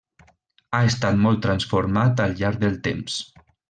Ha estat molt transformat al llarg del temps.